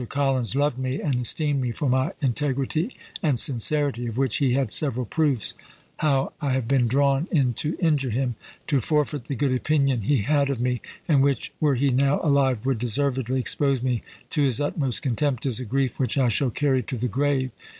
Collins loved me and esteemed me for my integrity and sincerity, of which he had several proofs; how I have been drawn in to injure him, to forfeit the good opinion he had of me, and which, were he now alive, would deservedly expose me to his utmost contempt, is a grief which I shall carry to the grave.